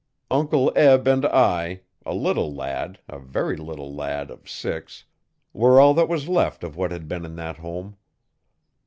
Uncle Eb and I a little lad, a very little lad of six were all that was left of what had been in that home.